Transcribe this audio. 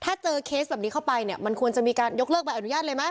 ถ้าเจอเคสแบบนี้เข้าไปเนี่ยมันควรจะมีการยกเลิกใบอนุญาตเลยไหม